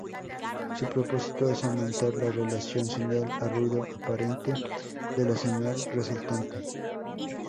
Su propósito es aumentar la relación señal a ruido aparente de la señal resultante.